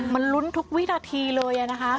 มันลุ้นทุกวินาทีเลยนะคะ